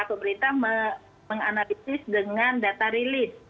pemerintah menganalisis dengan data rilis